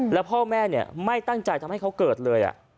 แล้วพ่อแม่ไม่ตั้งใจทำให้เขาเกิดเลย